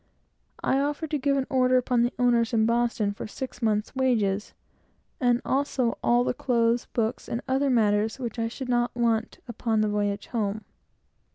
I offered to give an order upon the owners in Boston for six months' wages, and also all the clothes, books, and other matters, which I should not want upon the voyage home.